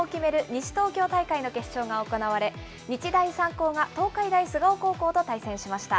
西東京大会の決勝が行われ、日大三高が東海大菅生高校と対戦しました。